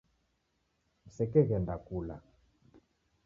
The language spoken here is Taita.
Msekeghenda kula